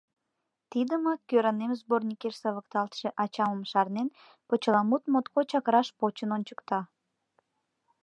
Тидымак «Кӧранем» сборникеш савыкталтше «Ачамым шарнен» почеламут моткочак раш почын ончыкта: